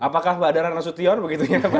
apakah pak darana sution begitu ya